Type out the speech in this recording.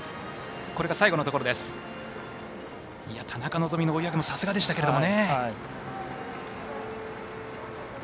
田中希実の追い上げもさすがでしたけれども。